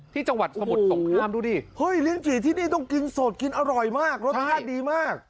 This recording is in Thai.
จังหวัดสมุทรสงครามดูดิเฮ้ยลิ้นจี่ที่นี่ต้องกินสดกินอร่อยมากรสชาติดีมาก